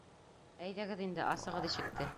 — Әйҙәгеҙ инде, асығыҙ ишекте.